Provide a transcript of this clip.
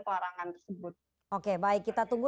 pelarangan tersebut oke baik kita tunggu